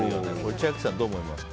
千秋さん、どう思いますか？